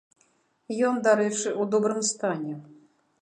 Ён, дарэчы, у добрым стане.